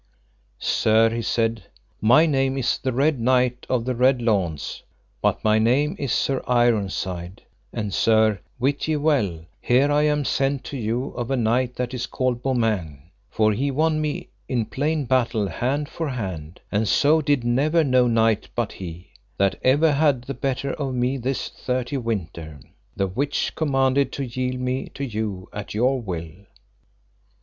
Sir, he said, my name is the Red Knight of the Red Launds, but my name is Sir Ironside; and sir, wit ye well, here I am sent to you of a knight that is called Beaumains, for he won me in plain battle hand for hand, and so did never no knight but he, that ever had the better of me this thirty winter; the which commanded to yield me to you at your will.